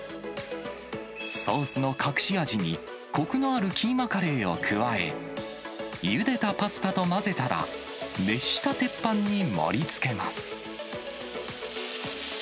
ソースの隠し味に、こくのあるキーマカレーを加え、ゆでたパスタと混ぜたら、熱した鉄板に盛りつけます。